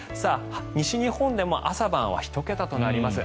西日本でも朝晩は１桁となります。